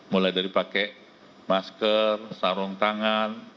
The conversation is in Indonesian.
mulai dari pakai masker sarung tangan